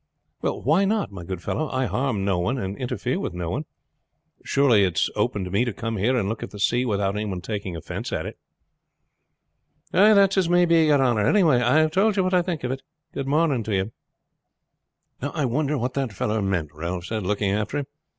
"Why not, my good fellow? I harm no one, and interfere with no one. Surely it is open to me to come here and look at the sea without any one taking offense at it." "That's as it may be, yer honor. Anyhow I have told you what I think of it. Good morning to you." "I wonder what that fellow meant," Ralph said, looking after him.